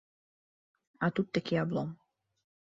А тут такі аблом.